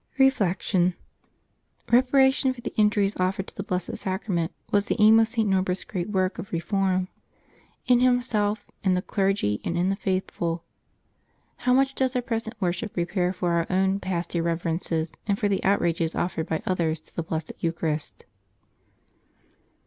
Reflection. — Eeparation for the injuries offered to the Blessed Sacrament was the aim of St. Norberfs great work of reform — in himself, in the clergy, and in the faithful. How much does our present worship repair for our own past irreverences, and for the outrages offered by others to the Blessed Eucharist.